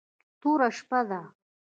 توره شپه ده .